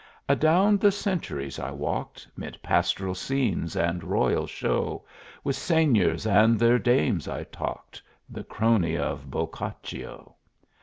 Adown the centuries I walked Mid pastoral scenes and royal show; With seigneurs and their dames I talked The crony of Boccaccio!